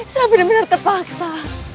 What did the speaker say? saya benar benar terpaksa